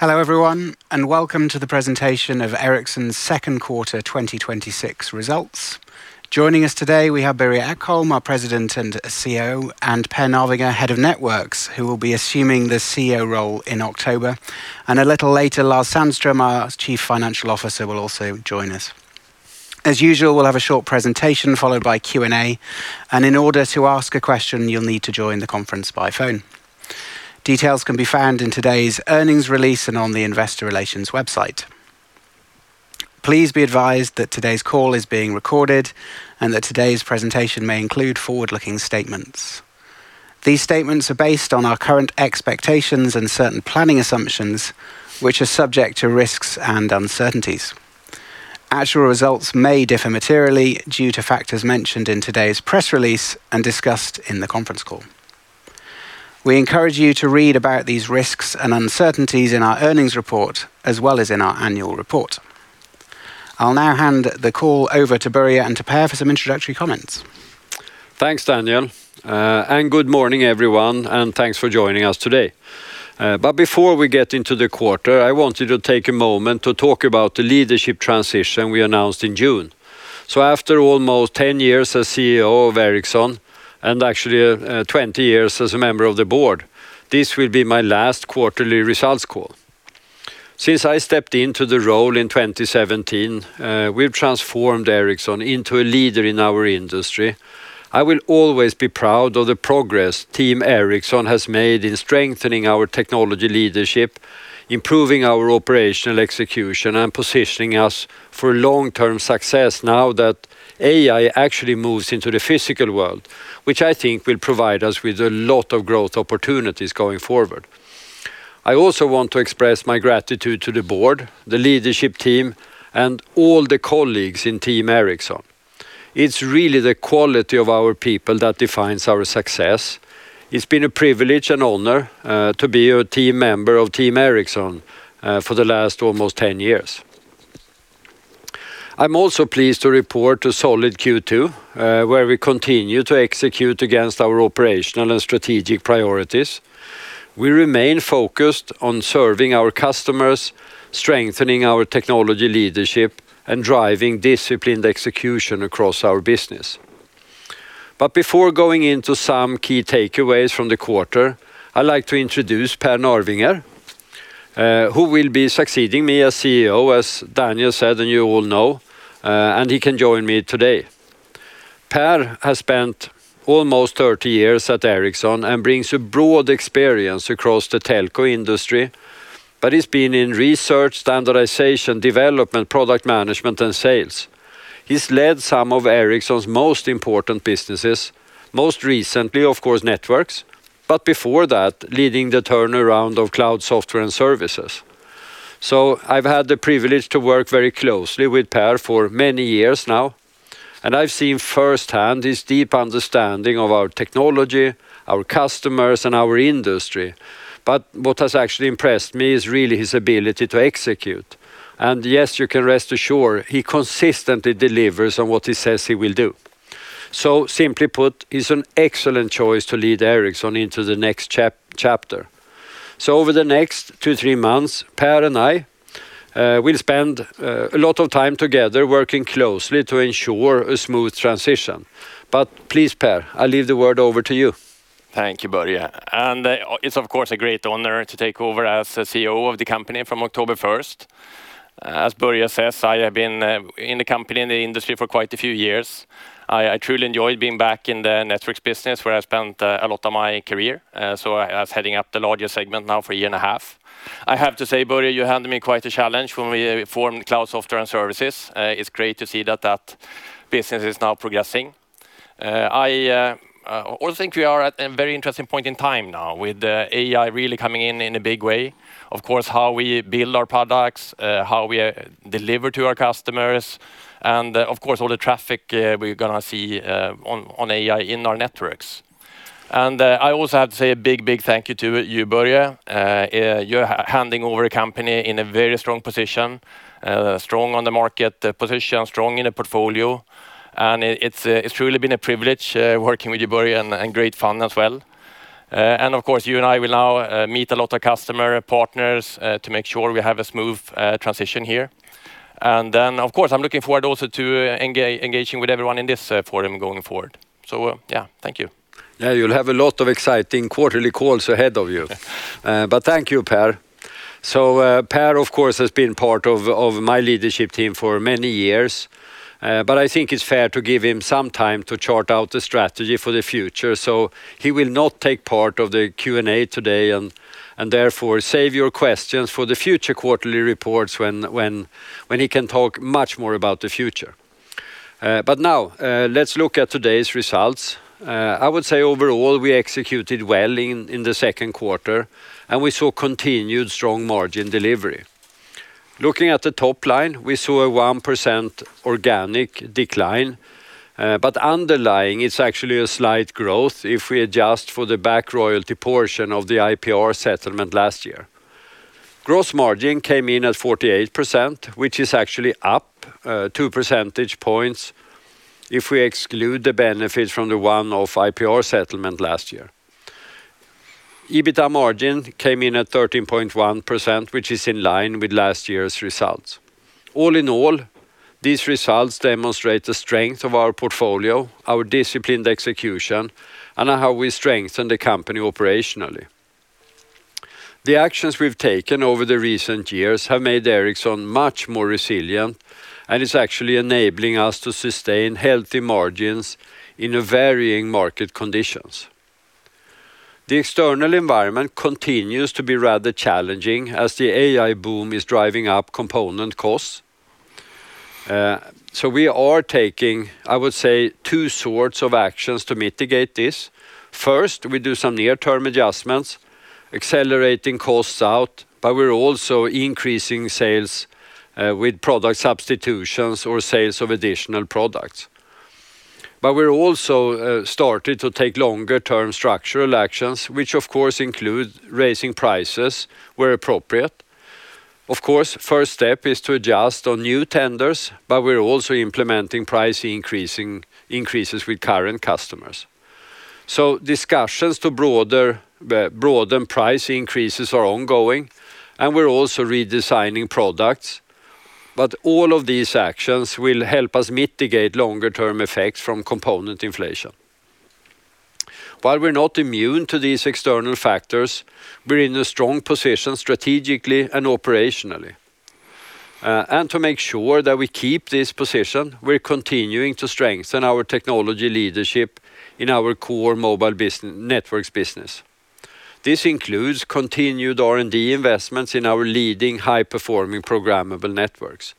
Hello, everyone, and welcome to the presentation of Ericsson's Second Quarter 2026 Results. Joining us today, we have Börje Ekholm, our President and CEO, and Per Narvinger, Head of Networks, who will be assuming the CEO role in October. A little later, Lars Sandström, our Chief Financial Officer, will also join us. As usual, we will have a short presentation followed by Q&A. In order to ask a question, you will need to join the conference by phone. Details can be found in today's earnings release and on the investor relations website. Please be advised that today's call is being recorded and that today's presentation may include forward-looking statements. These statements are based on our current expectations and certain planning assumptions, which are subject to risks and uncertainties. Actual results may differ materially due to factors mentioned in today's press release and discussed in the conference call. We encourage you to read about these risks and uncertainties in our earnings report, as well as in our annual report. I will now hand the call over to Börje and to Per for some introductory comments. Thanks, Daniel, good morning, everyone, and thanks for joining us today. Before we get into the quarter, I wanted to take a moment to talk about the leadership transition we announced in June. After almost 10 years as CEO of Ericsson and actually 20 years as a member of the board, this will be my last quarterly results call. Since I stepped into the role in 2017, we have transformed Ericsson into a leader in our industry. I will always be proud of the progress Team Ericsson has made in strengthening our technology leadership, improving our operational execution, and positioning us for long-term success now that AI actually moves into the physical world, which I think will provide us with a lot of growth opportunities going forward. I also want to express my gratitude to the board, the leadership team, and all the colleagues in Team Ericsson. It is really the quality of our people that defines our success. It has been a privilege and honor to be a team member of Team Ericsson for the last almost 10 years. I am also pleased to report a solid Q2, where we continue to execute against our operational and strategic priorities. We remain focused on serving our customers, strengthening our technology leadership, and driving disciplined execution across our business. Before going into some key takeaways from the quarter, I would like to introduce Per Narvinger, who will be succeeding me as CEO, as Daniel said and you all know, and he can join me today. Per has spent almost 30 years at Ericsson and brings a broad experience across the telco industry. He has been in research, standardization, development, product management, and sales. He's led some of Ericsson's most important businesses, most recently, of course, Networks, but before that, leading the turnaround of Cloud Software and Services. I've had the privilege to work very closely with Per for many years now, and I've seen firsthand his deep understanding of our technology, our customers, and our industry. What has actually impressed me is really his ability to execute. Yes, you can rest assured he consistently delivers on what he says he will do. Simply put, he's an excellent choice to lead Ericsson into the next chapter. Over the next two, three months, Per and I will spend a lot of time together working closely to ensure a smooth transition. Please, Per, I leave the word over to you. Thank you, Börje. It's of course a great honor to take over as CEO of the company from October 1st. As Börje says, I have been in the company, in the industry for quite a few years. I truly enjoyed being back in the Networks business, where I spent a lot of my career. I was heading up the largest segment now for a year and a half. I have to say, Börje, you handed me quite a challenge when we formed Cloud Software and Services. It's great to see that that business is now progressing. I also think we are at a very interesting point in time now with AI really coming in in a big way. Of course, how we build our products, how we deliver to our customers, and of course, all the traffic we're gonna see on AI in our networks. I also have to say a big thank you to you, Börje. You're handing over a company in a very strong position, strong on the market position, strong in the portfolio, and it's truly been a privilege working with you, Börje, and great fun as well. Of course, you and I will now meet a lot of customer partners to make sure we have a smooth transition here. Of course, I'm looking forward also to engaging with everyone in this forum going forward. Yeah. Thank you. Yeah, you'll have a lot of exciting quarterly calls ahead of you. Thank you, Per. Per, of course, has been part of my leadership team for many years. I think it's fair to give him some time to chart out the strategy for the future. He will not take part of the Q&A today and therefore save your questions for the future quarterly reports when he can talk much more about the future. Now, let's look at today's results. I would say overall, we executed well in the second quarter, and we saw continued strong margin delivery. Looking at the top line, we saw a 1% organic decline. Underlying, it's actually a slight growth if we adjust for the back royalty portion of the IPR settlement last year. Gross margin came in at 48%, which is actually up 2 percentage points if we exclude the benefits from the one-off IPR settlement last year. EBITDA margin came in at 13.1%, which is in line with last year's results. All in all, these results demonstrate the strength of our portfolio, our disciplined execution, and how we strengthen the company operationally. The actions we've taken over the recent years have made Ericsson much more resilient and it's actually enabling us to sustain healthy margins in varying market conditions. The external environment continues to be rather challenging as the AI boom is driving up component costs. We are taking, I would say, two sorts of actions to mitigate this. First, we do some near-term adjustments, accelerating costs out, but we're also increasing sales with product substitutions or sales of additional products. We're also started to take longer-term structural actions, which of course, include raising prices where appropriate. First step is to adjust on new tenders, but we're also implementing price increases with current customers. Discussions to broaden price increases are ongoing, and we're also redesigning products. All of these actions will help us mitigate longer-term effects from component inflation. While we're not immune to these external factors, we're in a strong position strategically and operationally. To make sure that we keep this position, we're continuing to strengthen our technology leadership in our core mobile Networks business. This includes continued R&D investments in our leading high-performing programmable networks.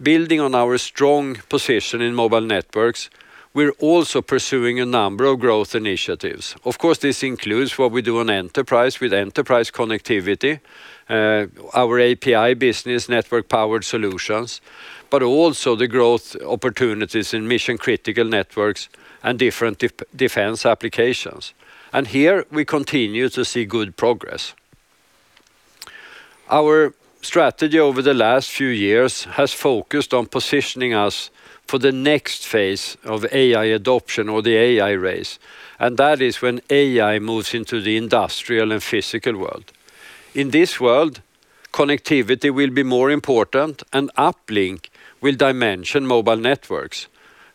Building on our strong position in mobile Networks, we're also pursuing a number of growth initiatives. This includes what we do on Enterprise with enterprise connectivity, our API business network powered solutions, but also the growth opportunities in mission-critical networks and different defense applications. Here, we continue to see good progress. Our strategy over the last few years has focused on positioning us for the next phase of AI adoption or the AI race, and that is when AI moves into the industrial and physical world. In this world, connectivity will be more important and uplink will dimension mobile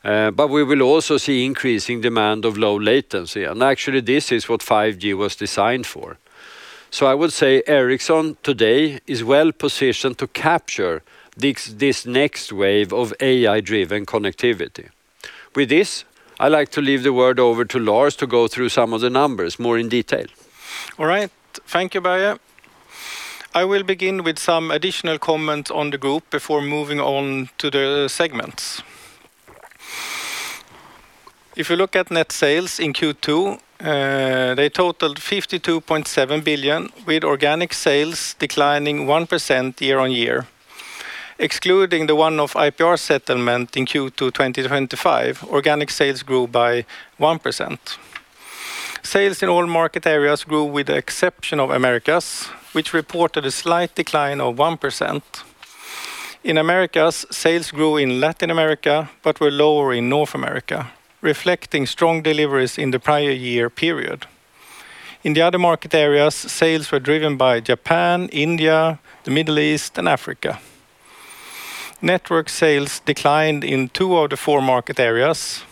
networks. We will also see increasing demand of low latency. Actually, this is what 5G was designed for. I would say Ericsson today is well-positioned to capture this next wave of AI-driven connectivity. With this, I like to leave the word over to Lars to go through some of the numbers more in detail. All right. Thank you, Börje. I will begin with some additional comments on the group before moving on to the segments. If you look at net sales in Q2, they totaled 52.7 billion with organic sales declining 1% year-on-year. Excluding the one-off IPR settlement in Q2 2025, organic sales grew by 1%. Sales in all market areas grew with the exception of Americas, which reported a slight decline of 1%. In Americas, sales grew in Latin America, but were lower in North America, reflecting strong deliveries in the prior year period. In the other market areas, sales were driven by Japan, India, the Middle East and Africa. Networks sales declined in two of the four market areas.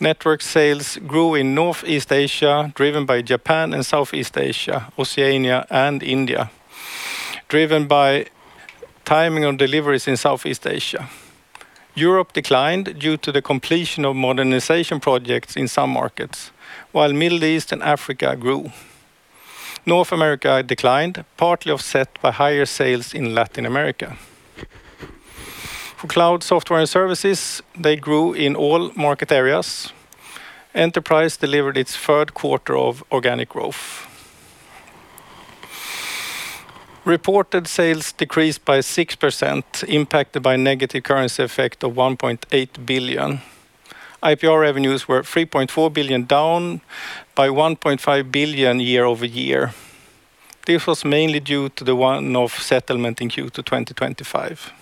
Networks sales grew in Northeast Asia, driven by Japan and Southeast Asia, Oceania and India, driven by timing on deliveries in Southeast Asia. Europe declined due to the completion of modernization projects in some markets, while Middle East and Africa grew. North America declined, partly offset by higher sales in Latin America. Cloud Software and Services, they grew in all market areas. Enterprise delivered its third quarter of organic growth. Reported sales decreased by 6%, impacted by negative currency effect of 1.8 billion. IPR revenues were 3.4 billion, down by 1.5 billion year-over-year. This was mainly due to the one-off settlement in Q2 2025.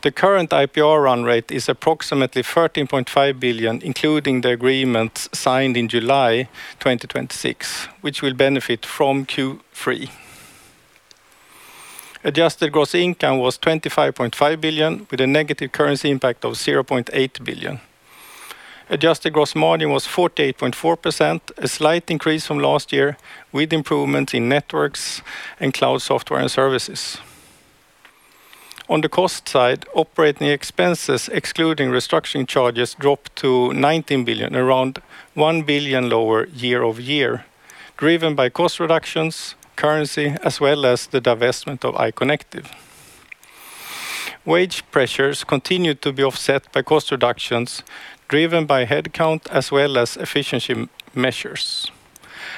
The current IPR run rate is approximately 13.5 billion, including the agreements signed in July 2026, which will benefit from Q3. Adjusted gross income was 25.5 billion, with a negative currency impact of 0.8 billion. Adjusted gross margin was 48.4%, a slight increase from last year with improvement in Networks and Cloud Software and Services. On the cost side. Operating expenses excluding restructuring charges dropped to 19 billion, around 1 billion lower year-over-year, driven by cost reductions, currency, as well as the divestment of iconectiv. Wage pressures continued to be offset by cost reductions driven by headcount as well as efficiency measures.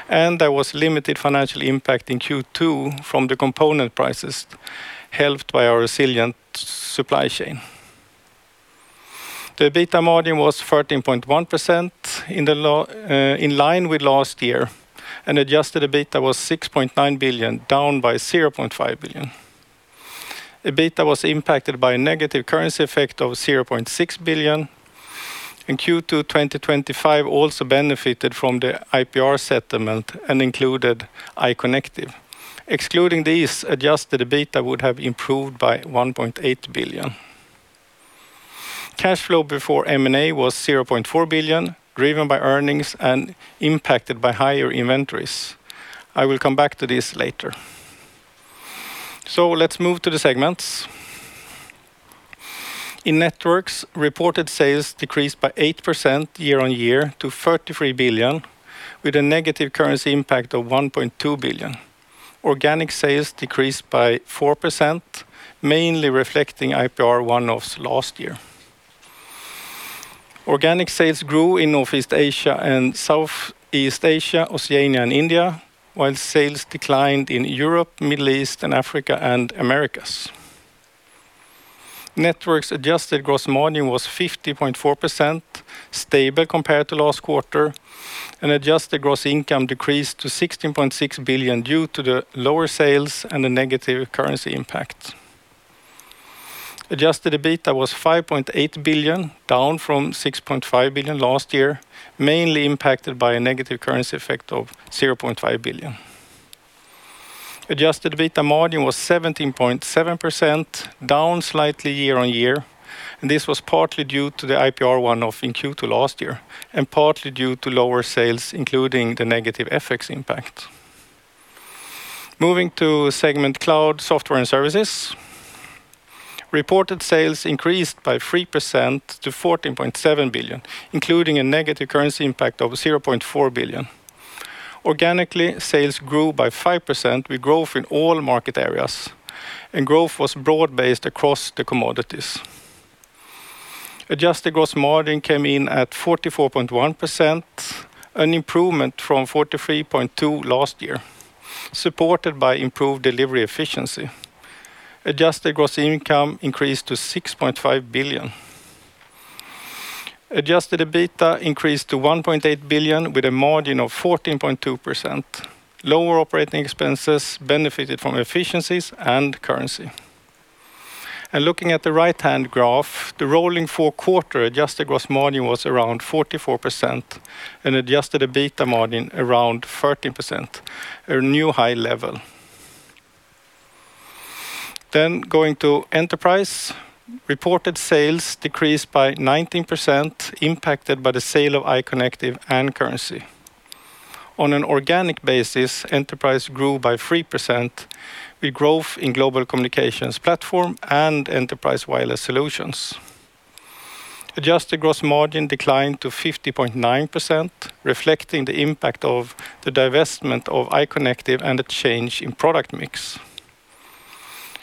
There was limited financial impact in Q2 from the component prices, helped by our resilient supply chain. The EBITDA margin was 13.1%. Adjusted EBITDA was 6.9 billion, down by 0.5 billion. EBITDA was impacted by a negative currency effect of 0.6 billion. In Q2 2025 also benefited from the IPR settlement and included iconectiv. Excluding these, adjusted EBITDA would have improved by 1.8 billion. Cash flow before M&A was 0.4 billion, driven by earnings and impacted by higher inventories. I will come back to this later. Let's move to the segments. Networks, reported sales decreased by 8% year-on-year to 33 billion, with a negative currency impact of 1.2 billion. Organic sales decreased by 4%, mainly reflecting IPR one-offs last year. Organic sales grew in Northeast Asia and Southeast Asia, Oceania, and India, while sales declined in Europe, Middle East and Africa, and Americas. Networks' adjusted gross margin was 50.4%, stable compared to last quarter, and adjusted gross income decreased to 16.6 billion due to the lower sales and the negative currency impact. Adjusted EBITDA was 5.8 billion, down from 6.5 billion last year, mainly impacted by a negative currency effect of 0.5 billion. Adjusted EBITDA margin was 17.7%, down slightly year-on-year, and this was partly due to the IPR one-off in Q2 last year, and partly due to lower sales, including the negative FX impact. Moving to segment Cloud Software and Services. Reported sales increased by 3% to 14.7 billion, including a negative currency impact of 0.4 billion. Organically, sales grew by 5% with growth in all market areas, and growth was broad-based across the commodities. Adjusted gross margin came in at 44.1%, an improvement from 43.2% last year, supported by improved delivery efficiency. Adjusted gross income increased to 6.5 billion. Adjusted EBITDA increased to 1.8 billion with a margin of 14.2%. Lower operating expenses benefited from efficiencies and currency. Looking at the right-hand graph, the rolling four quarter adjusted gross margin was around 44% and adjusted EBITDA margin around 13%, a new high level. Going to Enterprise. Reported sales decreased by 19%, impacted by the sale of iconectiv and currency. On an organic basis, Enterprise grew by 3% with growth in Global Communications Platform and Enterprise Wireless Solutions. Adjusted gross margin declined to 50.9%, reflecting the impact of the divestment of iconectiv and a change in product mix.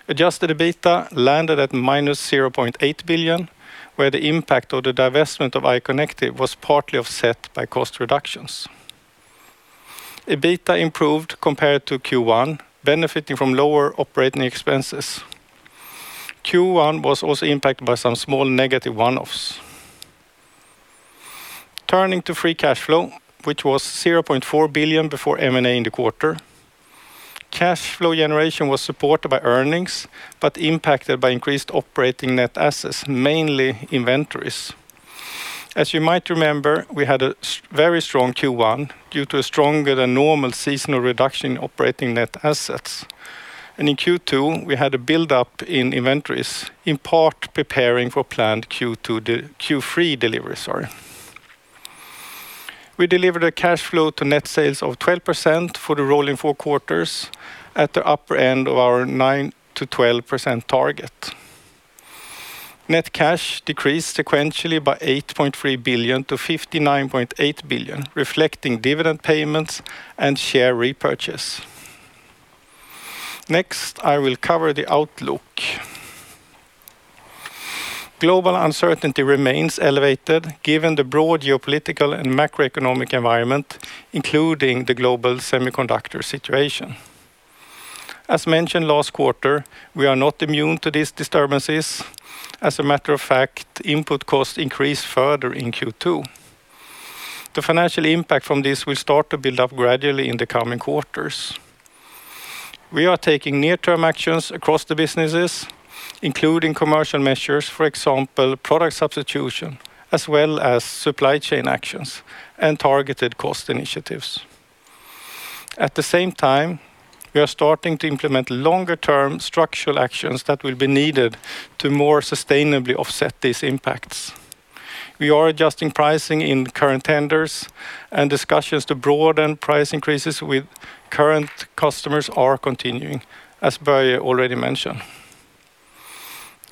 Adjusted EBITDA landed at -0.8 billion, where the impact of the divestment of iconectiv was partly offset by cost reductions. EBITDA improved compared to Q1, benefiting from lower operating expenses. Q1 was also impacted by some small negative one-offs. Turning to free cash flow, which was 0.4 billion before M&A in the quarter. Cash flow generation was supported by earnings, but impacted by increased operating net assets, mainly inventories. As you might remember, we had a very strong Q1 due to a stronger than normal seasonal reduction in operating net assets. In Q2, we had a build-up in inventories, in part preparing for planned Q3 delivery. We delivered a cash flow to net sales of 12% for the rolling four quarters at the upper end of our 9%-12% target. Net cash decreased sequentially by 8.3 billion to 59.8 billion, reflecting dividend payments and share repurchase. Next, I will cover the outlook. Global uncertainty remains elevated given the broad geopolitical and macroeconomic environment, including the global semiconductor situation. As mentioned last quarter, we are not immune to these disturbances. As a matter of fact, input costs increased further in Q2. The financial impact from this will start to build up gradually in the coming quarters. We are taking near-term actions across the businesses, including commercial measures, for example, product substitution as well as supply chain actions and targeted cost initiatives. At the same time, we are starting to implement longer term structural actions that will be needed to more sustainably offset these impacts. We are adjusting pricing in current tenders and discussions to broaden price increases with current customers are continuing, as Börje already mentioned.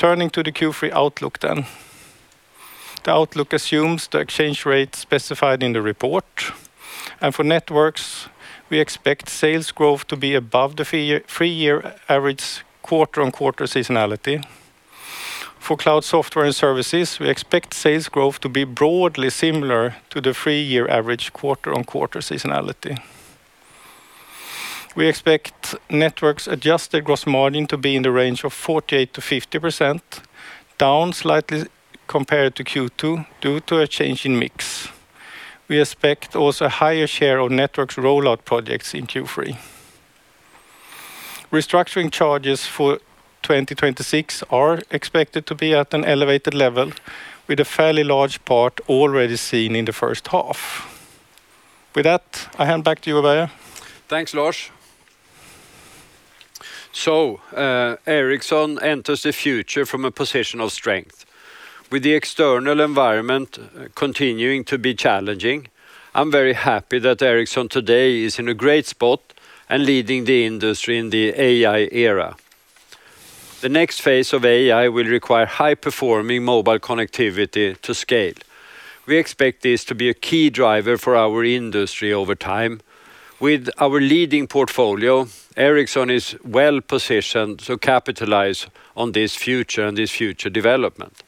Turning to the Q3 outlook. The outlook assumes the exchange rate specified in the report. For Networks, we expect sales growth to be above the three-year average quarter-on-quarter seasonality. For Cloud Software and Services, we expect sales growth to be broadly similar to the three-year average quarter-on-quarter seasonality. We expect Networks adjusted gross margin to be in the range of 48%-50%, down slightly compared to Q2 due to a change in mix. We expect also a higher share of Networks rollout projects in Q3. Restructuring charges for 2026 are expected to be at an elevated level, with a fairly large part already seen in the first half. With that, I hand back to you, Börje. Thanks, Lars. Ericsson enters the future from a position of strength. With the external environment continuing to be challenging, I'm very happy that Ericsson today is in a great spot and leading the industry in the AI era. The next phase of AI will require high-performing mobile connectivity to scale. We expect this to be a key driver for our industry over time. With our leading portfolio, Ericsson is well-positioned to capitalize on this future and this future development.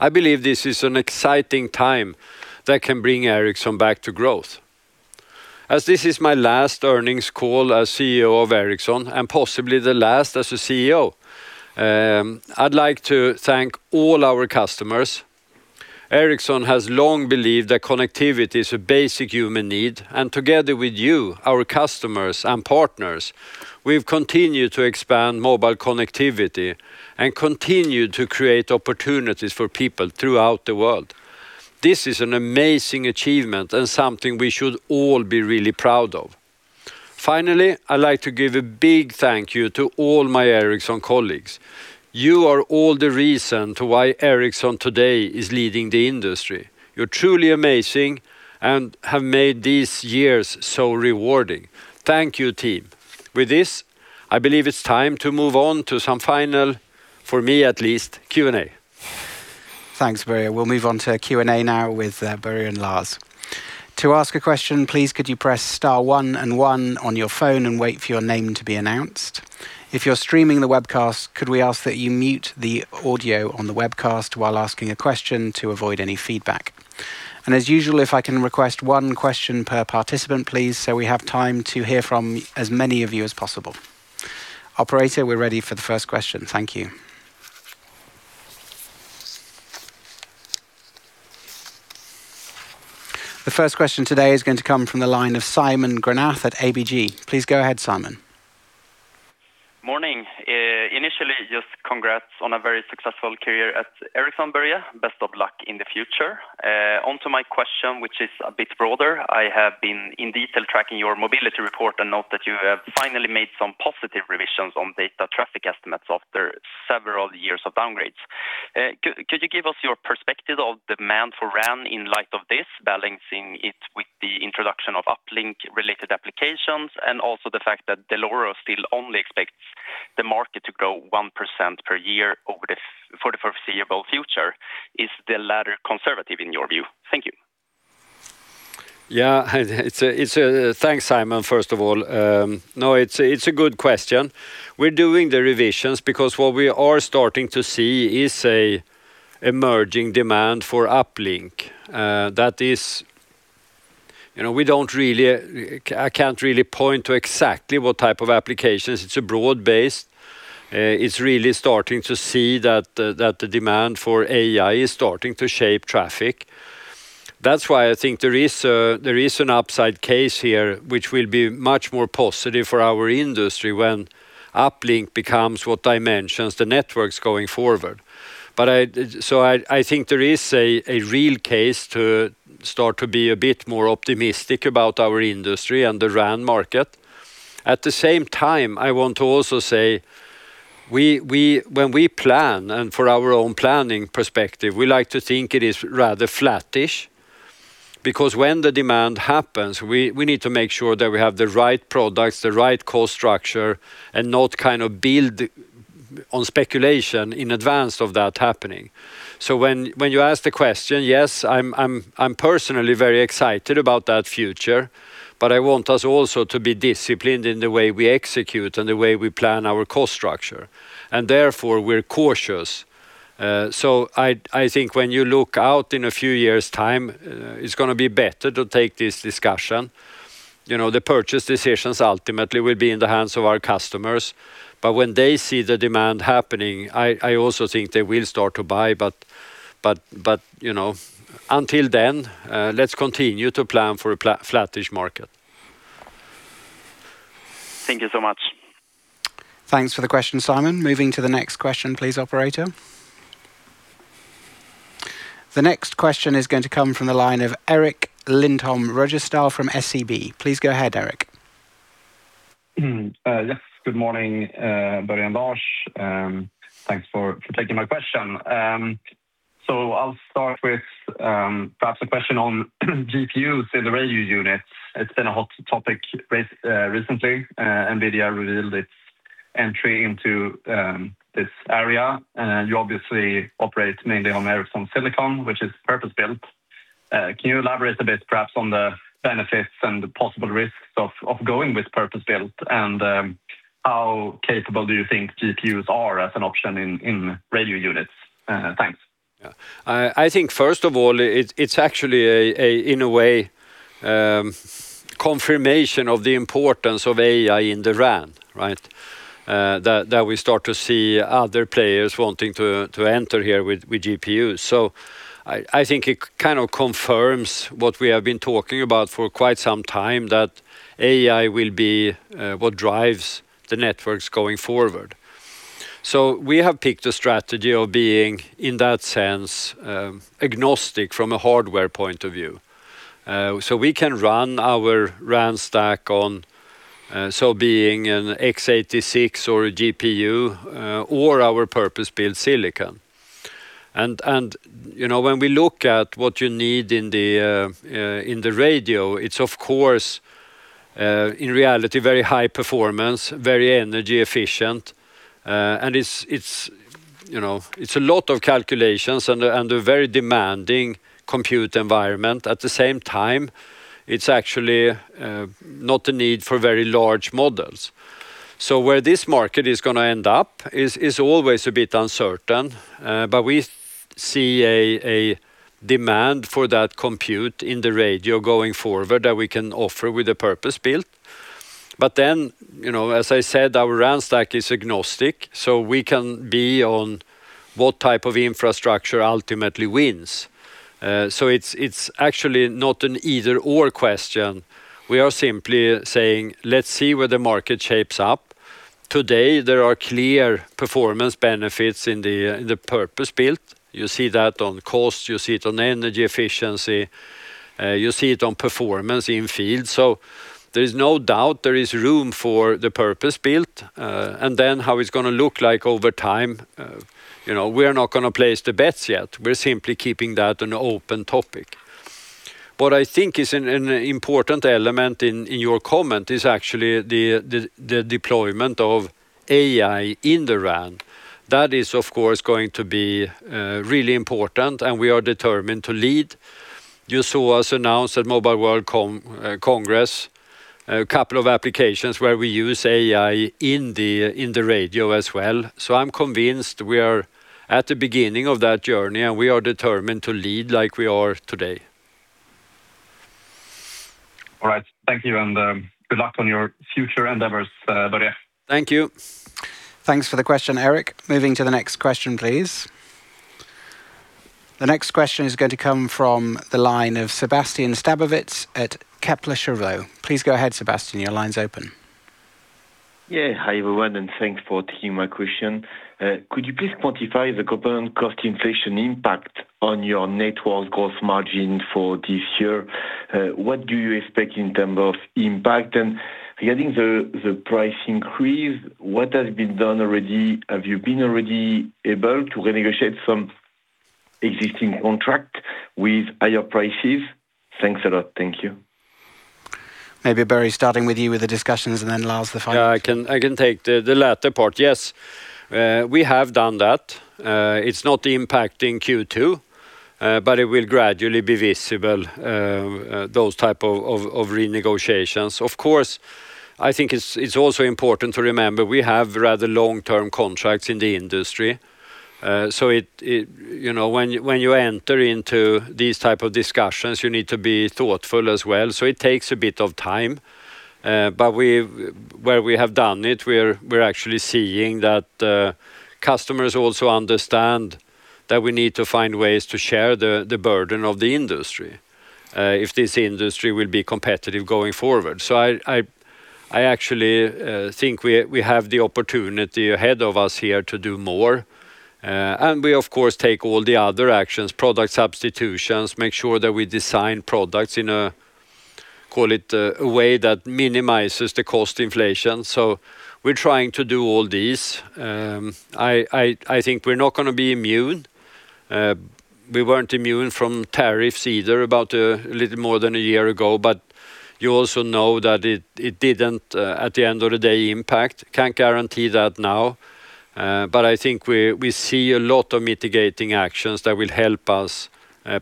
I believe this is an exciting time that can bring Ericsson back to growth. As this is my last earnings call as CEO of Ericsson, and possibly the last as a CEO, I'd like to thank all our customers. Ericsson has long believed that connectivity is a basic human need, and together with you, our customers and partners, we've continued to expand mobile connectivity and continued to create opportunities for people throughout the world. This is an amazing achievement and something we should all be really proud of. Finally, I'd like to give a big thank you to all my Ericsson colleagues. You are all the reason to why Ericsson today is leading the industry. You're truly amazing and have made these years so rewarding. Thank you, team. With this, I believe it's time to move on to some final, for me at least, Q&A. Thanks, Börje. We'll move on to Q&A now with Börje and Lars. To ask a question, please could you press star one and one on your phone and wait for your name to be announced? If you're streaming the webcast, could we ask that you mute the audio on the webcast while asking a question to avoid any feedback. As usual, if I can request one question per participant, please, so we have time to hear from as many of you as possible. Operator, we're ready for the first question. Thank you. The first question today is going to come from the line of Simon Granath at ABG. Please go ahead, Simon. Morning. Initially, just congrats on a very successful career at Ericsson, Börje. Best of luck in the future. On to my question, which is a bit broader. I have been in detail tracking your mobility report and note that you have finally made some positive revisions on data traffic estimates after several years of downgrades. Could you give us your perspective of demand for RAN in light of this, balancing it with the introduction of uplink-related applications, and also the fact that Dell'Oro still only expects the market to grow 1% per year for the foreseeable future. Is the latter conservative in your view? Thank you. Yeah. Thanks, Simon, first of all. No, it's a good question. We're doing the revisions because what we are starting to see is an emerging demand for uplink. I can't really point to exactly what type of applications. It's a broad base. It's really starting to see that the demand for AI is starting to shape traffic. That's why I think there is an upside case here, which will be much more positive for our industry when uplink becomes what dimensions the networks going forward. I think there is a real case to start to be a bit more optimistic about our industry and the RAN market. At the same time, I want to also say, when we plan and for our own planning perspective, we like to think it is rather flattish. When the demand happens, we need to make sure that we have the right products, the right cost structure, and not build on speculation in advance of that happening. When you ask the question, yes, I'm personally very excited about that future, but I want us also to be disciplined in the way we execute and the way we plan our cost structure. Therefore, we're cautious. I think when you look out in a few years' time, it's going to be better to take this discussion. The purchase decisions ultimately will be in the hands of our customers. When they see the demand happening, I also think they will start to buy. Until then, let's continue to plan for a flattish market. Thank you so much. Thanks for the question, Simon. Moving to the next question, please, operator. The next question is going to come from the line of Erik Lindholm-Röjestål from SEB. Please go ahead, Erik. Yes. Good morning, Börje and Lars. Thanks for taking my question. I'll start with perhaps a question on GPUs in the radio unit. It's been a hot topic recently. NVIDIA revealed its entry into this area. You obviously operate mainly on Ericsson silicon, which is purpose-built. Can you elaborate a bit, perhaps, on the benefits and the possible risks of going with purpose-built and how capable do you think GPUs are as an option in radio units? Thanks. Yeah. I think, first of all, it's actually, in a way, confirmation of the importance of AI in the RAN, right? We start to see other players wanting to enter here with GPUs. I think it kind of confirms what we have been talking about for quite some time, that AI will be what drives the networks going forward. We have picked a strategy of being, in that sense, agnostic from a hardware point of view. We can run our RAN stack on being an x86 or a GPU, or our purpose-built silicon. When we look at what you need in the radio, it's of course, in reality, very high performance, very energy efficient, and it's a lot of calculations and a very demanding compute environment. At the same time, it's actually not a need for very large models. Where this market is going to end up is always a bit uncertain. We see a demand for that compute in the radio going forward that we can offer with the purpose-built. As I said, our RAN stack is agnostic, so we can be on what type of infrastructure ultimately wins. It's actually not an either/or question. We are simply saying, let's see where the market shapes up. Today, there are clear performance benefits in the purpose-built. You see that on cost, you see it on energy efficiency, you see it on performance in field. There is no doubt there is room for the purpose-built, and then how it's going to look like over time. We're not going to place the bets yet. We're simply keeping that an open topic. What I think is an important element in your comment is actually the deployment of AI in the RAN. That is, of course, going to be really important, and we are determined to lead. You saw us announce at Mobile World Congress, a couple of applications where we use AI in the radio as well. I'm convinced we are at the beginning of that journey, and we are determined to lead like we are today. All right. Thank you, and good luck on your future endeavors, Börje. Thank you. Thanks for the question, Erik. Moving to the next question, please. The next question is going to come from the line of Sébastien Sztabowicz at Kepler Cheuvreux. Please go ahead, Sébastien. Your line's open. Yeah. Hi, everyone, and thanks for taking my question. Could you please quantify the component cost inflation impact on your Networks gross margin for this year? What do you expect in terms of impact? Regarding the price increase, what has been done already? Have you been already able to renegotiate some existing contract with higher prices? Thanks a lot. Thank you. Maybe Börje, starting with you with the discussions and then Lars, the final. Yeah, I can take the latter part. Yes, we have done that. It is not impacting Q2, but it will gradually be visible, those type of renegotiations. Of course, I think it is also important to remember we have rather long-term contracts in the industry. When you enter into these type of discussions, you need to be thoughtful as well. It takes a bit of time. Where we have done it, we are actually seeing that customers also understand that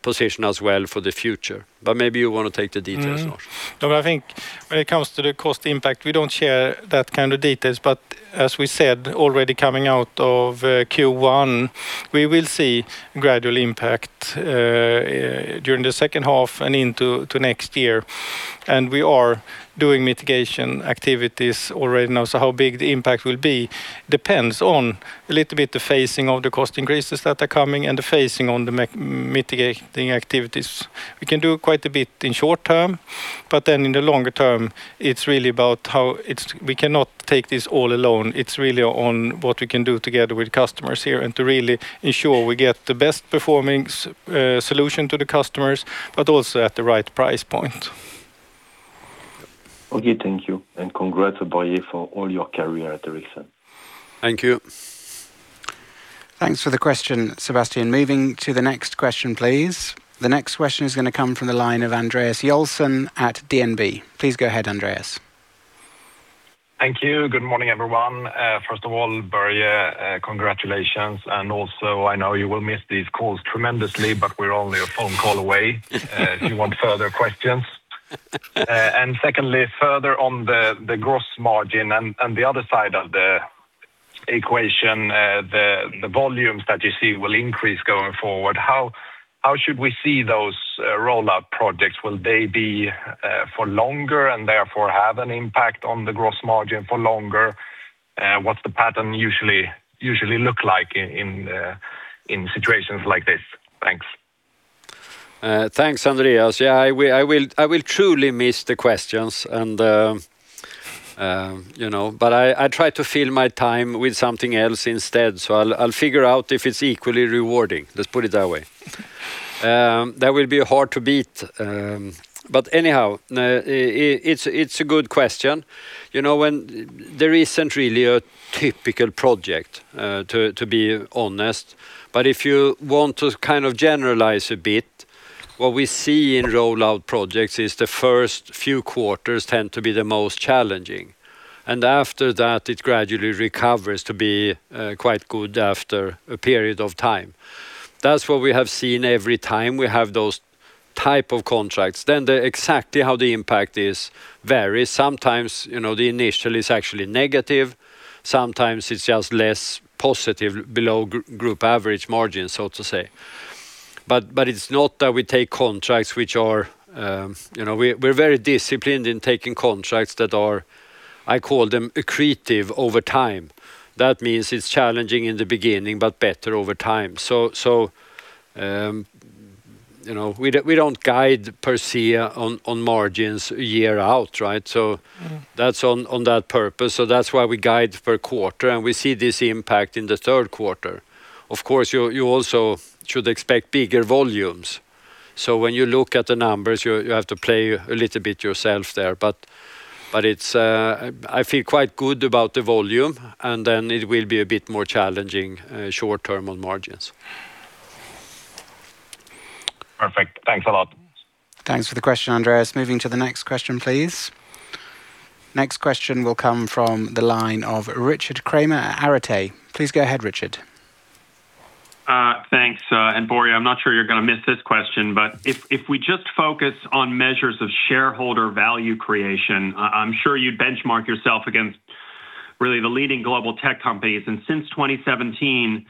position us well for the future. Maybe you want to take the details, Lars. I think when it comes to the cost impact, we do not share that kind of details. As we said, already coming out of Q1, we will see gradual impact during the second half and into next year. We are doing mitigation activities already now. How big the impact will be depends on a little bit the phasing of the cost increases that are coming and the phasing on the mitigating activities. We can do quite a bit in short term, in the longer term, it is really about how we cannot take this all alone. It is really on what we can do together with customers here and to really ensure we get the best performing solution to the customers, but also at the right price point. Thank you, and congrats, Börje, for all your career at Ericsson. Thank you. Thanks for the question, Sébastien. Moving to the next question, please. The next question is going to come from the line of Andreas Joelsson at DNB. Please go ahead, Andreas. Thank you. Good morning, everyone. First of all, Börje, congratulations, also, I know you will miss these calls tremendously, but we're only a phone call away if you want further questions. Secondly, further on the gross margin and the other side of the equation, the volumes that you see will increase going forward. How should we see those rollout projects? Will they be for longer and therefore have an impact on the gross margin for longer? What's the pattern usually look like in situations like this? Thanks. Thanks, Andreas. Yeah, I will truly miss the questions. I try to fill my time with something else instead. I'll figure out if it's equally rewarding. Let's put it that way. That will be hard to beat. Anyhow, it's a good question. There isn't really a typical project, to be honest. If you want to generalize a bit, what we see in rollout projects is the first few quarters tend to be the most challenging. After that, it gradually recovers to be quite good after a period of time. That's what we have seen every time we have those type of contracts. The exactly how the impact is varies. Sometimes, the initial is actually negative. Sometimes it's just less positive below group average margins, so to say. We're very disciplined in taking contracts that are, I call them, accretive over time. That means it's challenging in the beginning, but better over time. We don't guide per se on margins a year out, right? That's on that purpose. That's why we guide per quarter, and we see this impact in the third quarter. Of course, you also should expect bigger volumes. When you look at the numbers, you have to play a little bit yourself there. I feel quite good about the volume, and then it will be a bit more challenging, short-term on margins. Perfect. Thanks a lot. Thanks for the question, Andreas. Moving to the next question, please. Next question will come from the line of Richard Kramer at Arete. Please go ahead, Richard. Thanks. Börje, I'm not sure you're going to miss this question, but if we just focus on measures of shareholder value creation, I'm sure you'd benchmark yourself against really the leading global tech companies. Since 2017,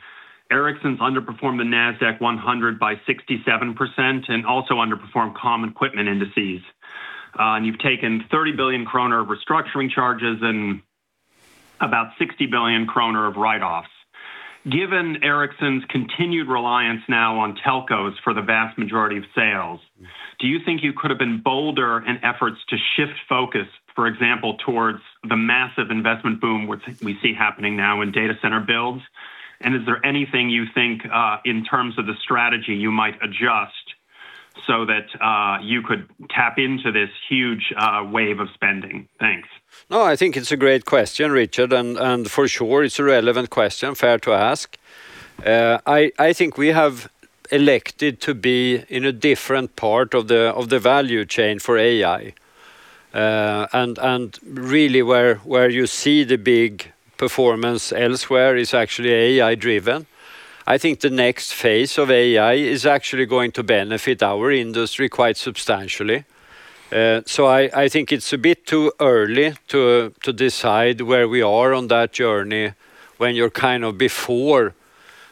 Ericsson's underperformed the NASDAQ-100 by 67% and also underperformed comm equipment indices. You've taken 30 billion kronor of restructuring charges and about 60 billion kronor of write-offs. Given Ericsson's continued reliance now on telcos for the vast majority of sales, do you think you could have been bolder in efforts to shift focus, for example, towards the massive investment boom, which we see happening now in data center builds? Is there anything you think, in terms of the strategy you might adjust so that you could tap into this huge wave of spending? Thanks. I think it's a great question, Richard. For sure it's a relevant question, fair to ask. I think we have elected to be in a different part of the value chain for AI. Really where you see the big performance elsewhere is actually AI-driven. I think the next phase of AI is actually going to benefit our industry quite substantially. I think it's a bit too early to decide where we are on that journey when you're before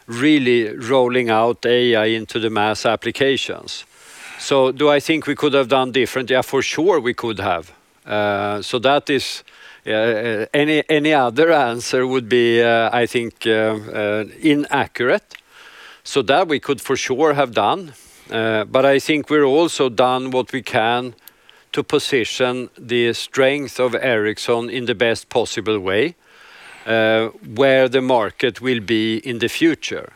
really rolling out AI into the mass applications. Do I think we could have done differently? For sure, we could have. Any other answer would be, I think, inaccurate. That we could for sure have done. I think we're also done what we can to position the strength of Ericsson in the best possible way, where the market will be in the future.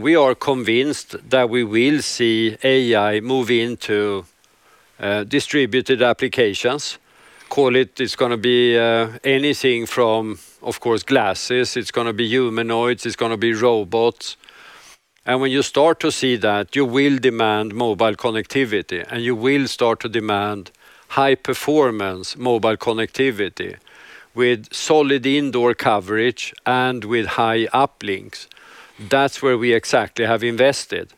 We are convinced that we will see AI move into distributed applications. Call it's going to be anything from, of course, glasses. It's going to be humanoids. It's going to be robots. When you start to see that, you will demand mobile connectivity, and you will start to demand high performance mobile connectivity with solid indoor coverage and with high uplinks. That's where we exactly have invested.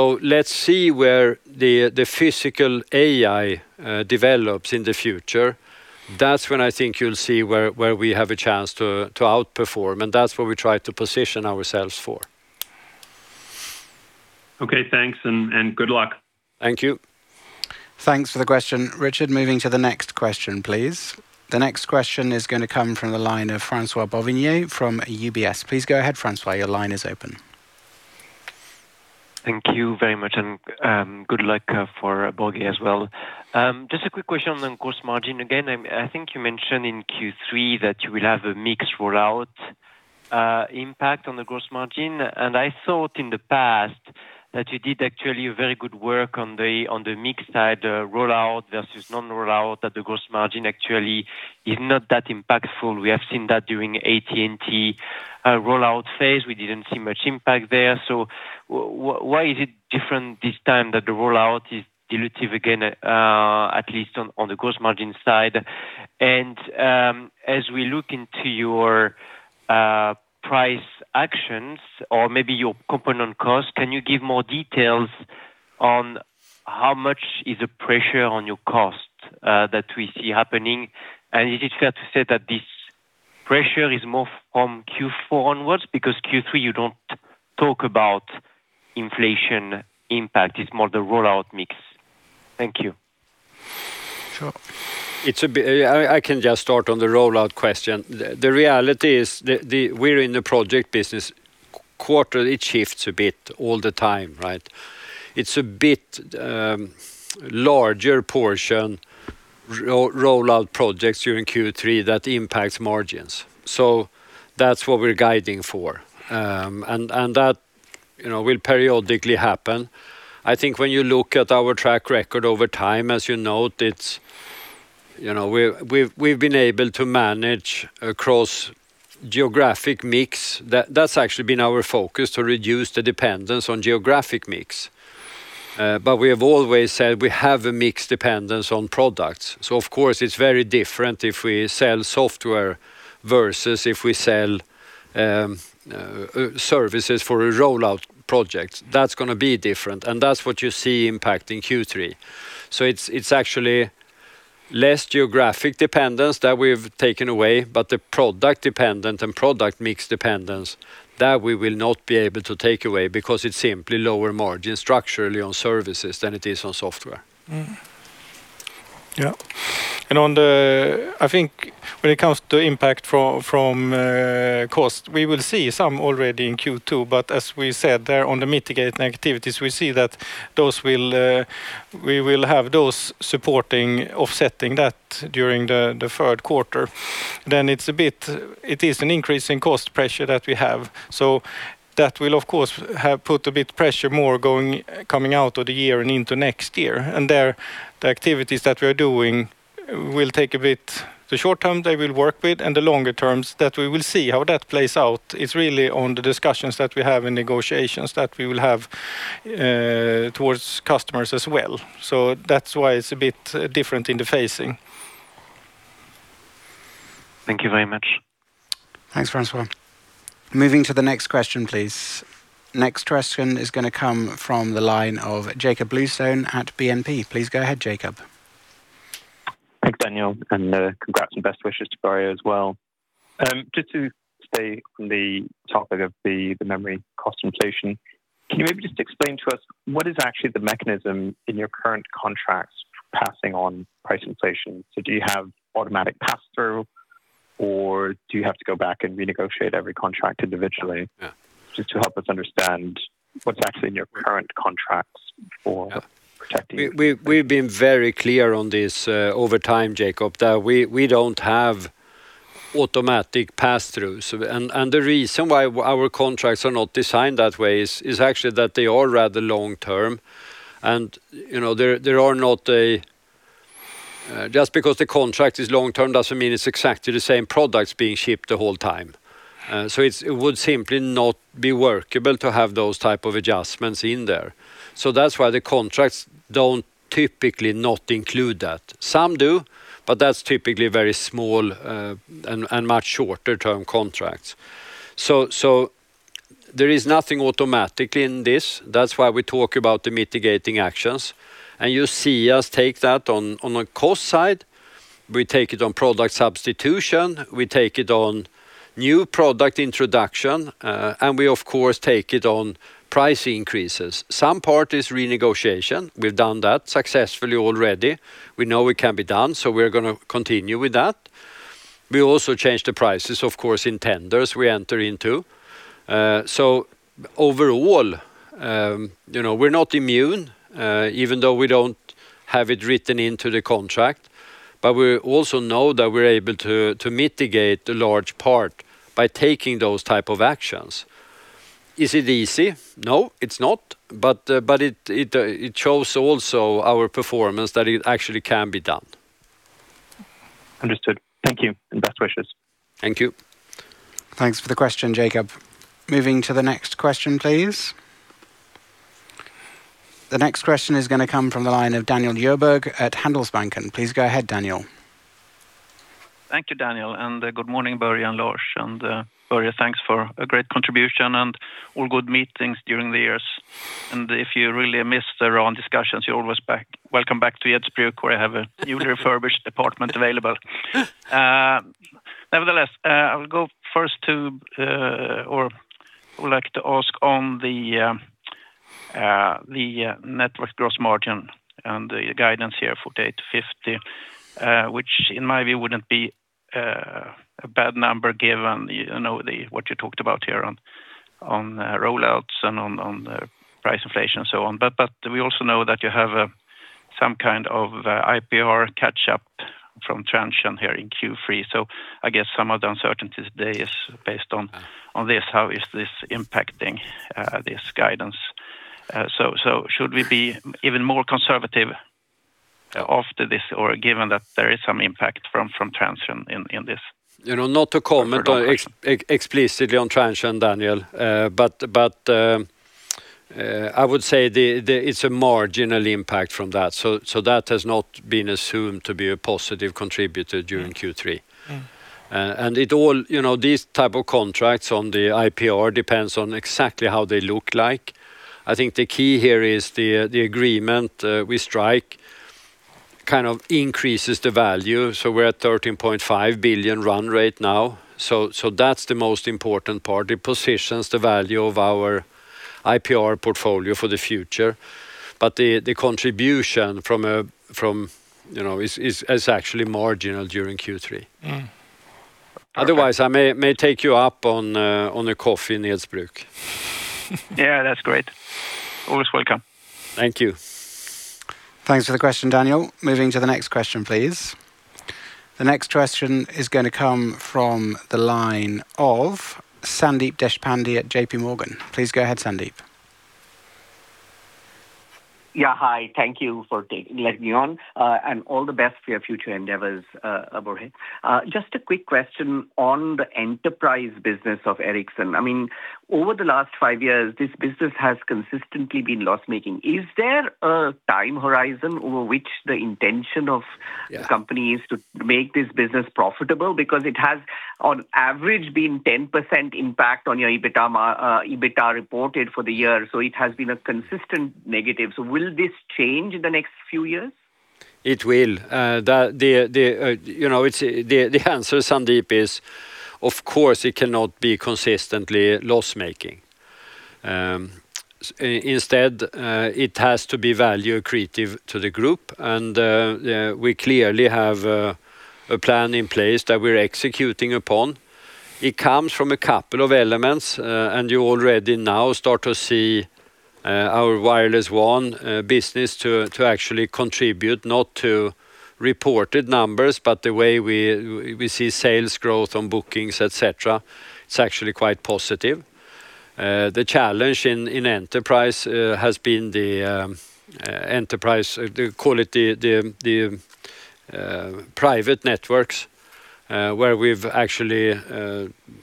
Let's see where the physical AI develops in the future. That's when I think you'll see where we have a chance to outperform, and that's what we try to position ourselves for. Okay. Thanks and good luck. Thank you. Thanks for the question, Richard. Moving to the next question, please. The next question is going to come from the line of François Bouvignies from UBS. Please go ahead, François. Your line is open. Thank you very much. Good luck for Börje as well. Just a quick question on gross margin. Again, I think you mentioned in Q3 that you will have a mixed rollout impact on the gross margin. I thought in the past that you did actually very good work on the mixed side rollout versus non-rollout, that the gross margin actually is not that impactful. We have seen that during AT&T rollout phase. We didn't see much impact there. Why is it different this time that the rollout is dilutive again, at least on the gross margin side? As we look into your price actions or maybe your component cost, can you give more details on how much is the pressure on your cost that we see happening? Is it fair to say that this pressure is more from Q4 onwards? Because Q3, you don't talk about inflation impact. It's more the rollout mix. Thank you. Sure. I can just start on the rollout question. The reality is we're in the project business. Quarterly, it shifts a bit all the time, right? It's a bit larger portion, rollout projects during Q3 that impacts margins. That's what we're guiding for. That will periodically happen. I think when you look at our track record over time, as you note, we've been able to manage across geographic mix. That's actually been our focus, to reduce the dependence on geographic mix. We have always said we have a mixed dependence on products. Of course, it's very different if we sell software versus if we sell services for a rollout project. That's going to be different, and that's what you see impacting Q3. It's actually less geographic dependence that we've taken away, but the product dependent and product mix dependence, that we will not be able to take away because it's simply lower margin structurally on services than it is on software. I think when it comes to impact from cost, we will see some already in Q2, but as we said, they're on the mitigate activities. We see that we will have those supporting, offsetting that during the third quarter. It is an increase in cost pressure that we have. That will, of course, put a bit pressure more coming out of the year and into next year. The activities that we're doing will take a bit, the short term they will work with, and the longer terms that we will see how that plays out. It's really on the discussions that we have and negotiations that we will have towards customers as well. That's why it's a bit different in the phasing. Thank you very much. Thanks, François. Moving to the next question, please. Next question is going to come from the line of Jakob Bluestone at BNP. Please go ahead, Jakob. Thanks, Daniel, and congrats and best wishes to Börje as well. Just to stay on the topic of the memory cost inflation, can you maybe just explain to us what is actually the mechanism in your current contracts passing on price inflation? Do you have automatic pass-through, or do you have to go back and renegotiate every contract individually? Just to help us understand what's actually in your current contracts for protecting. We've been very clear on this over time, Jakob, that we don't have automatic pass-throughs. The reason why our contracts are not designed that way is actually that they are rather long-term, and just because the contract is long-term doesn't mean it's exactly the same products being shipped the whole time. It would simply not be workable to have those type of adjustments in there. That's why the contracts don't typically not include that. Some do, but that's typically very small and much shorter term contracts. There is nothing automatic in this. That's why we talk about the mitigating actions, and you see us take that on a cost side. We take it on product substitution, we take it on new product introduction, and we of course take it on price increases. Some part is renegotiation. We've done that successfully already. We know it can be done, so we're going to continue with that. We also change the prices, of course, in tenders we enter into. Overall, we're not immune, even though we don't have it written into the contract, but we also know that we're able to mitigate a large part by taking those type of actions. Is it easy? No, it's not. It shows also our performance that it actually can be done. Understood. Thank you, and best wishes. Thank you. Thanks for the question, Jakob. Moving to the next question, please. The next question is going to come from the line of Daniel Djurberg at Handelsbanken. Please go ahead, Daniel. Thank you, Daniel, good morning, Börje and Lars. Börje, thanks for a great contribution and all good meetings during the years. If you really miss the raw discussions, you're always welcome back to Edsbruk, where I have a newly refurbished apartment available. Nevertheless, I would like to ask on the net worth gross margin and the guidance here 48%-50%, which in my view wouldn't be a bad number given what you talked about here on rollouts and on price inflation and so on. We also know that you have some kind of IPR catch up from Trenchant here in Q3. I guess some of the uncertainties there is based on this, how is this impacting this guidance? Should we be even more conservative after this, or given that there is some impact from Trenchant in this? Not to comment explicitly on Trenchant, Daniel. I would say it's a marginal impact from that. That has not been assumed to be a positive contributor during Q3. These type of contracts on the IPR depends on exactly how they look like. I think the key here is the agreement we strike increases the value. We're at 13.5 billion run rate now. That's the most important part. It positions the value of our IPR portfolio for the future. The contribution is actually marginal during Q3. Otherwise, I may take you up on a coffee in Edsbruk. Yeah, that's great. Always welcome. Thank you. Thanks for the question, Daniel. Moving to the next question, please. The next question is going to come from the line of Sandeep Deshpande at J.P. Morgan. Please go ahead, Sandeep. Yeah. Hi, thank you for letting me on, and all the best for your future endeavors, Börje. Just a quick question on the Enterprise business of Ericsson. Over the last five years, this business has consistently been loss-making. Is there a time horizon over which the intention of the company is to make this business profitable? It has, on average, been 10% impact on your EBITDA reported for the year. It has been a consistent negative. Will this change in the next few years? It will. The answer, Sandeep, is, of course it cannot be consistently loss-making. Instead, it has to be value accretive to the group. We clearly have a plan in place that we're executing upon. It comes from a couple of elements, and you already now start to see our Wireless WAN business to actually contribute, not to reported numbers, but the way we see sales growth on bookings, et cetera. It's actually quite positive. The challenge in Enterprise has been the, call it the private networks, where we've actually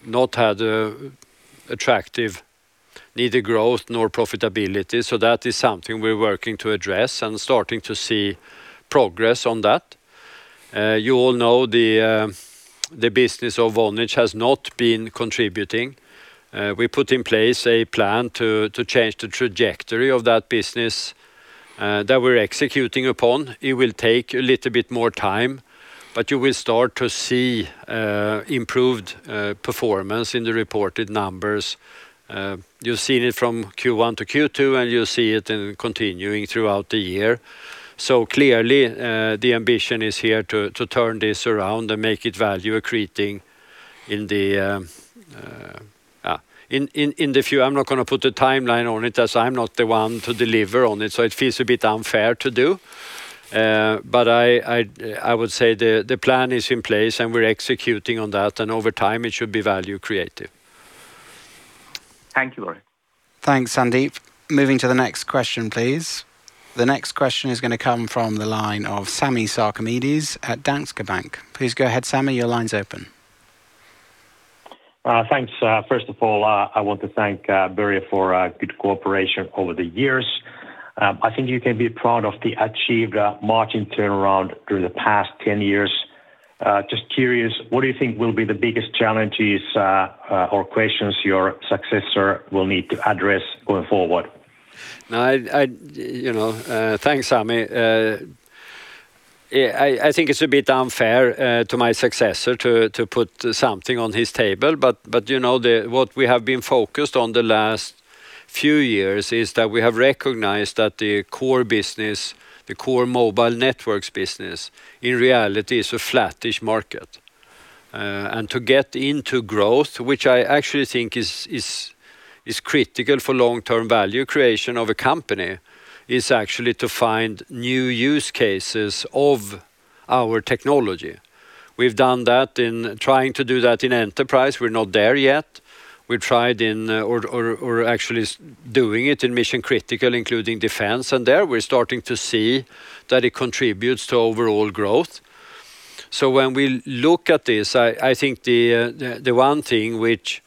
not had attractive, neither growth nor profitability. That is something we're working to address and starting to see progress on that. You all know the business of Vonage has not been contributing. We put in place a plan to change the trajectory of that business that we're executing upon. It will take a little bit more time, you will start to see improved performance in the reported numbers. You've seen it from Q1 to Q2, and you'll see it continuing throughout the year. Clearly, the ambition is here to turn this around and make it value accreting in the future. I'm not going to put a timeline on it, as I'm not the one to deliver on it, so it feels a bit unfair to do. I would say the plan is in place, and we're executing on that, and over time, it should be value accretive. Thank you, Börje. Thanks, Sandeep. Moving to the next question, please. The next question is going to come from the line of Sami Sarkamies at Danske Bank. Please go ahead, Sami. Your line's open. Thanks. First of all, I want to thank Börje for good cooperation over the years. I think you can be proud of the achieved margin turnaround during the past 10 years. Just curious, what do you think will be the biggest challenges, or questions your successor will need to address going forward? Thanks, Sami. I think it's a bit unfair to my successor to put something on his table. What we have been focused on the last few years is that we have recognized that the core mobile Networks business, in reality, is a flattish market. To get into growth, which I actually think is critical for long-term value creation of a company, is actually to find new use cases of our technology. We've done that in trying to do that in Enterprise. We're not there yet. We're actually doing it in mission-critical, including defense, and there we're starting to see that it contributes to overall growth. When we look at this, I think the one thing which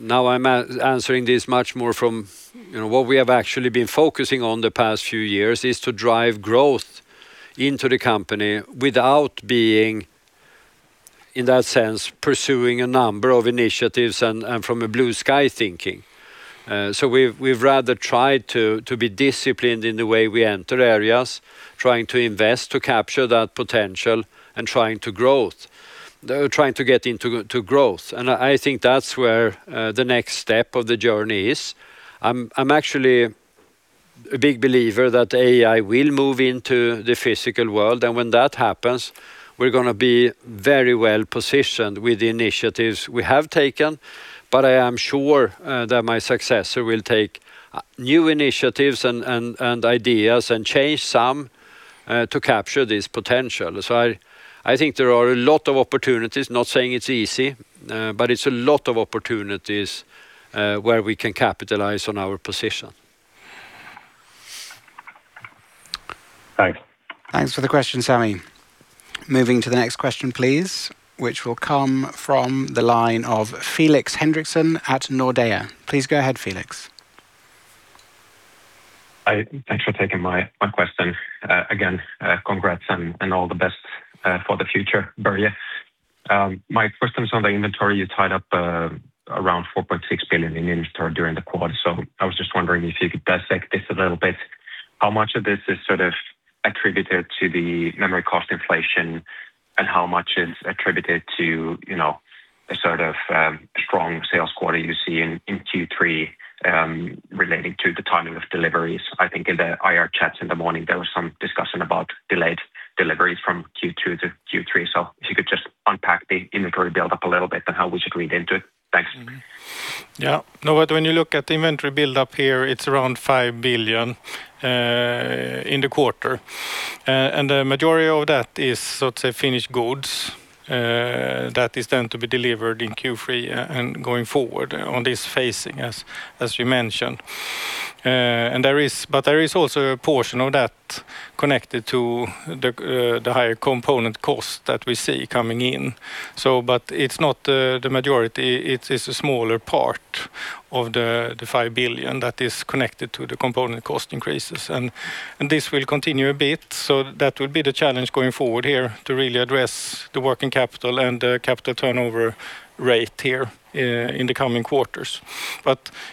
now I'm answering this much more from what we have actually been focusing on the past few years, is to drive growth into the company without being, in that sense, pursuing a number of initiatives and from a blue sky thinking. We've rather tried to be disciplined in the way we enter areas, trying to invest to capture that potential and trying to get into growth. I think that's where the next step of the journey is. I'm actually a big believer that AI will move into the physical world. When that happens, we're going to be very well-positioned with the initiatives we have taken. I am sure that my successor will take new initiatives and ideas and change some to capture this potential. I think there are a lot of opportunities. Not saying it's easy, it's a lot of opportunities where we can capitalize on our position. Thanks. Thanks for the question, Sami. Moving to the next question, please, which will come from the line of Felix Henriksson at Nordea. Please go ahead, Felix. Thanks for taking my question. Again, congrats and all the best for the future, Börje. My first one is on the inventory. You tied up around 4.6 billion in inventory during the quarter. I was just wondering if you could dissect this a little bit, how much of this is attributed to the memory cost inflation, and how much is attributed to a strong sales quarter you see in Q3, relating to the timing of deliveries? I think in the IR chats in the morning, there was some discussion about delayed deliveries from Q2 to Q3. If you could just unpack the inventory build-up a little bit and how we should read into it. Thanks. Yeah. When you look at the inventory build-up here, it's around 5 billion in the quarter. The majority of that is finished goods that is then to be delivered in Q3 and going forward on this phasing, as you mentioned. There is also a portion of that connected to the higher component cost that we see coming in. It's not the majority. It's a smaller part of the 5 billion that is connected to the component cost increases. This will continue a bit. That will be the challenge going forward here to really address the working capital and the capital turnover rate here in the coming quarters.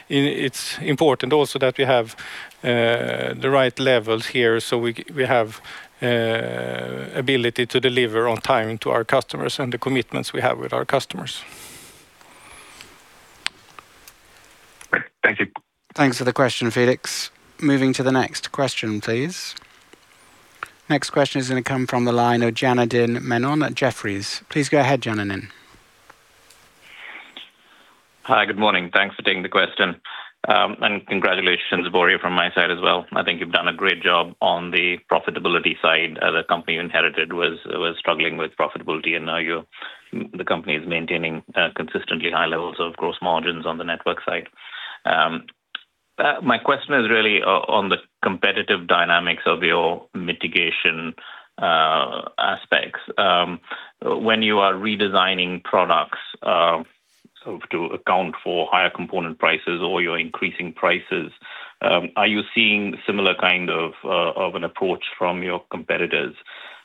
It's important also that we have the right levels here so we have ability to deliver on time to our customers and the commitments we have with our customers. Great. Thank you. Thanks for the question, Felix. Moving to the next question, please. Next question is going to come from the line of Janardan Menon at Jefferies. Please go ahead, Janardan. Hi. Good morning. Thanks for taking the question. Congratulations, Börje, from my side as well. I think you've done a great job on the profitability side. The company you inherited was struggling with profitability, and now the company is maintaining consistently high levels of gross margins on the Networks side. My question is really on the competitive dynamics of your mitigation aspects. When you are redesigning products to account for higher component prices or you're increasing prices, are you seeing similar kind of an approach from your competitors?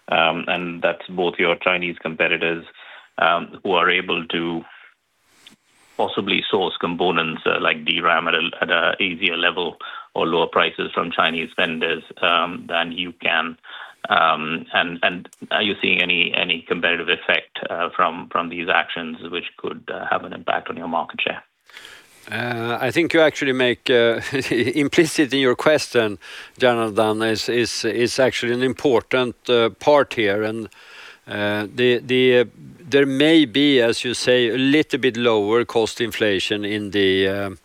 That's both your Chinese competitors, who are able to possibly source components like DRAM at an easier level or lower prices from Chinese vendors than you can. Are you seeing any competitive effect from these actions which could have an impact on your market share? You actually make implicit in your question, Janardan, is actually an important part here. There may be, as you say, a little bit lower cost inflation in the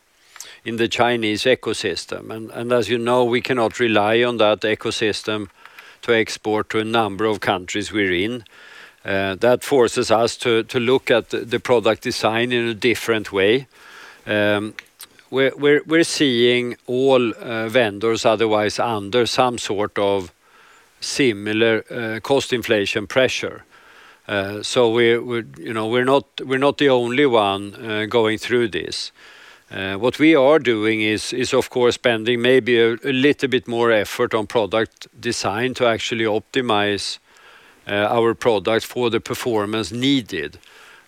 Chinese ecosystem. As you know, we cannot rely on that ecosystem to export to a number of countries we're in. That forces us to look at the product design in a different way. We're seeing all vendors otherwise under some sort of similar cost inflation pressure. We're not the only one going through this. What we are doing is, of course, spending maybe a little bit more effort on product design to actually optimize our products for the performance needed,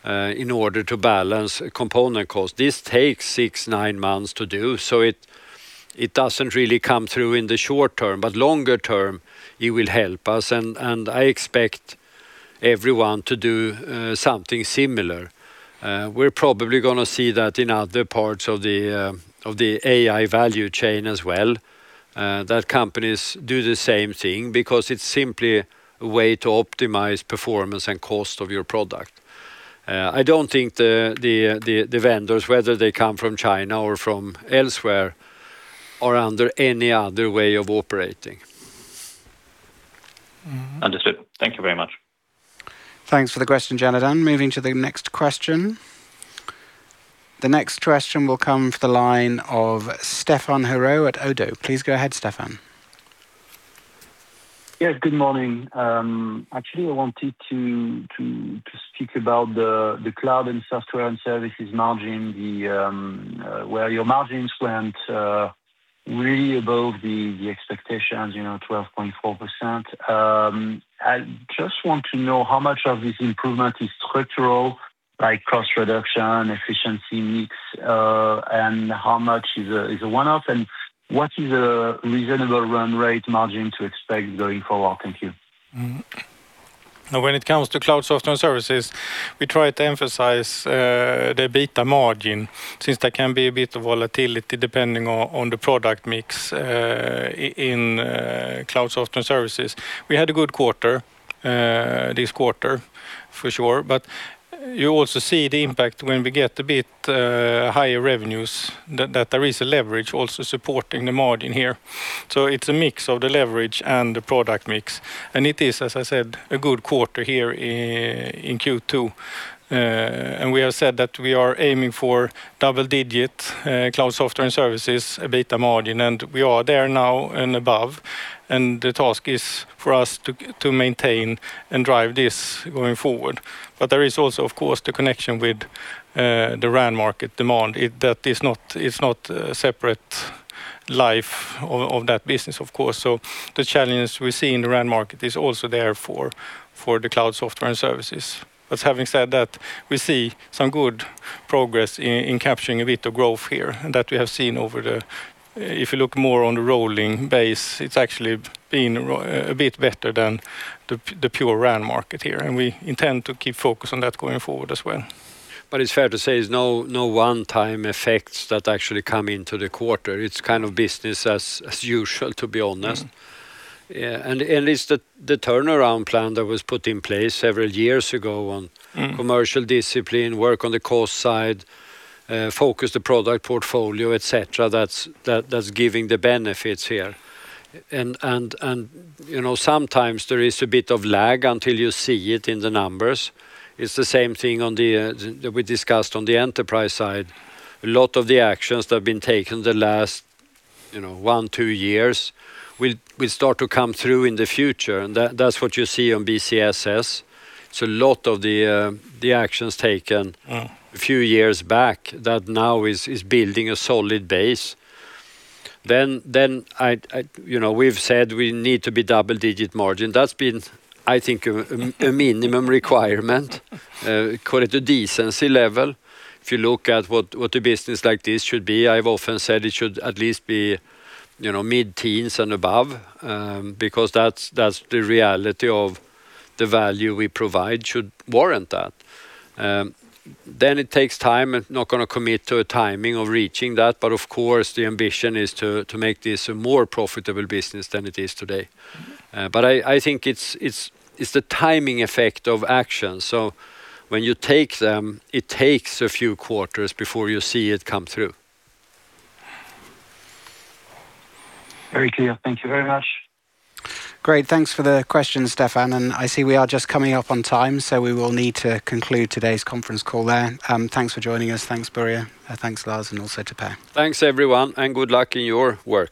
in order to balance component cost. This takes six, nine months to do. It doesn't really come through in the short term. Longer term, it will help us. I expect everyone to do something similar. We're probably going to see that in other parts of the AI value chain as well, that companies do the same thing because it's simply a way to optimize performance and cost of your product. I don't think the vendors, whether they come from China or from elsewhere, are under any other way of operating. Understood. Thank you very much. Thanks for the question, Janardan. Moving to the next question. The next question will come from the line of Stéphane Houri at ODDO. Please go ahead, Stéphane. Yes, good morning. Actually, I wanted to speak about the Cloud Software and Services margin, where your margins went really above the expectations, 12.4%. I just want to know how much of this improvement is structural, like cost reduction, efficiency mix, and how much is a one-off, and what is a reasonable run rate margin to expect going forward. Thank you. When it comes to Cloud Software and Services, we try to emphasize the EBITA margin, since there can be a bit of volatility depending on the product mix in Cloud Software and Services. We had a good quarter this quarter, for sure. You also see the impact when we get a bit higher revenues, that there is a leverage also supporting the margin here. It's a mix of the leverage and the product mix. It is, as I said, a good quarter here in Q2. We have said that we are aiming for double-digit Cloud Software and Services EBITA margin, and we are there now and above. The task is for us to maintain and drive this going forward. There is also, of course, the connection with the RAN market demand. It's not separate Life of that business, of course. The challenge we see in the RAN market is also there for the Cloud Software and Services. Having said that, we see some good progress in capturing a bit of growth here that we have seen. If you look more on the rolling base, it's actually been a bit better than the pure RAN market here, and we intend to keep focused on that going forward as well. It's fair to say there's no one-time effects that actually come into the quarter. It's kind of business as usual, to be honest. Yeah, at least the turnaround plan that was put in place several years ago. Commercial discipline, work on the cost side, focus the product portfolio, et cetera, that's giving the benefits here. Sometimes there is a bit of lag until you see it in the numbers. It's the same thing that we discussed on the Enterprise side. A lot of the actions that have been taken the last one, two years will start to come through in the future, that's what you see on the CSS. A lot of the actions taken. It was a few years back that now is building a solid base. We've said we need to be double-digit margin. That's been, I think, a minimum requirement. Call it a decency level. If you look at what a business like this should be, I've often said it should at least be mid-teens and above, because that's the reality of the value we provide should warrant that. It takes time. Not going to commit to a timing of reaching that. Of course, the ambition is to make this a more profitable business than it is today. I think it's the timing effect of action. When you take them, it takes a few quarters before you see it come through. Very clear. Thank you very much. Great. Thanks for the question, Stéphane. I see we are just coming up on time, We will need to conclude today's conference call there. Thanks for joining us. Thanks, Börje. Thanks, Lars, and also to Per. Thanks, everyone, Good luck in your work.